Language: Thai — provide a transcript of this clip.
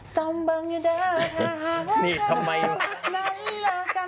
ส่องเบิ้งอย่าเดอะทาห่าวเธอไหนลากันกับเขา